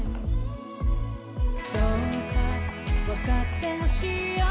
「どうか分かって欲しいよ」